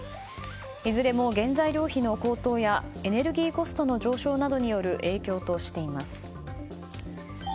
いずれも原材料費の高騰やエネルギーコストの上昇の影響としています。